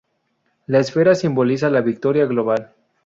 La esfera simboliza la victoria global.